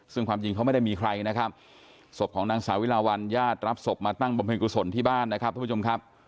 ซึ่งความจริงเขาไม่ได้มีใครนะครับศพของนางสาวิลาวันญาติรับศพมาตั้งบำเพ็ญกุศลที่บ้านนะครับทุกผู้ชมครับ